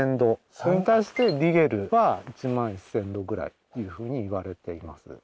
それに対してリゲルは１万１０００℃ぐらいというふうにいわれています。